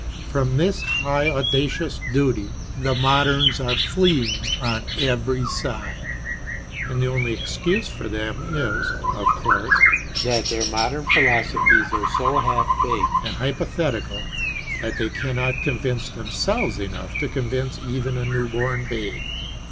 From this high audacious duty the moderns are fleeing on every side; and the only excuse for them is, (of course,) that their modern philosophies are so half baked and hypothetical that they cannot convince themselves enough to convince even a newborn babe.